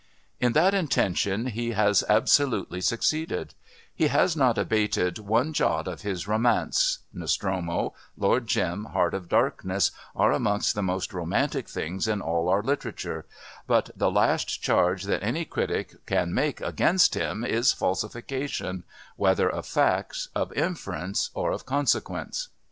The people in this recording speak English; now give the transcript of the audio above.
In that intention he has absolutely succeeded; he has not abated one jot of his romance Nostromo, Lord Jim, Heart of Darkness are amongst the most romantic things in all our literature but the last charge that any critic can make against him is falsification, whether of facts, of inference or of consequences.